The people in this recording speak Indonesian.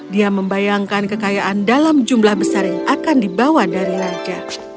dia membayangkan kekayaan dalam jumlah besar yang akan dibawa dari raja